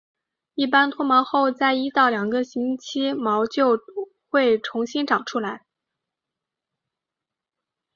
一般脱毛后在一到两个星期毛就回重新长出来。